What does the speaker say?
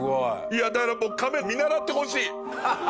だから、もうカメ見習ってほしい！